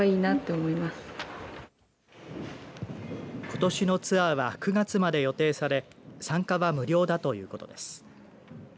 ことしのツアーは９月まで予定され参加は無料だということです。